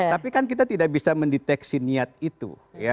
tapi kan kita tidak bisa mendeteksi niat itu